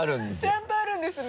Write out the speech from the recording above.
ちゃんとあるんですね。